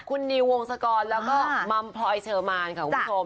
คุณนิววงศกรแล้วก็มัมพลอยเชอร์มานค่ะคุณผู้ชม